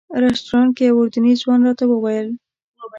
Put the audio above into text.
رسټورانټ کې یو اردني ځوان راته وویل.